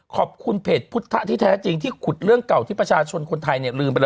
ขอบคุณเพจพุทธะที่แท้จริงที่ขุดเรื่องเก่าที่ประชาชนคนไทย